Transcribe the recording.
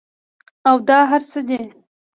او دا هر څۀ دي